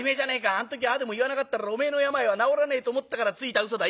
あん時ああでも言わなかったらおめえの病は治らねえと思ったからついたうそだ。